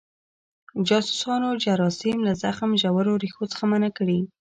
د جاسوسانو جراثیم له زخم ژورو ریښو څخه منع کړي.